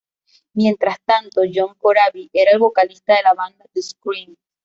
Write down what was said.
Mientras tanto, John Corabi era el vocalista de la banda The Scream.